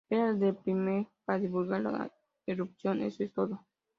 Él era el primer para divulgar la erupción, "¡Eso es todo!